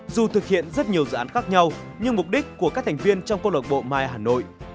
dù thực hiện rất nhiều dự án khác nhau nhưng mục đích của các thành viên trong con lộc bộ my hà nội